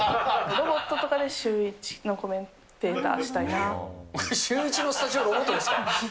ロボットとかでシューイチのコメシューイチのスタジオ、ロボットですか。